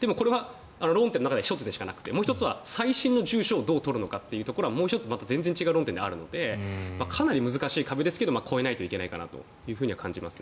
でもこれは論点の１つでしかなくてあとは最新の住所をどうやって取るのかというのも全然違う論点であるのでかなり難しい壁ですが超えないといけないかなと感じます。